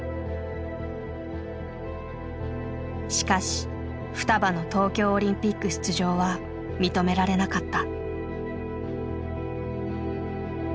しかしふたばの東京オリンピック出場は認められなかった。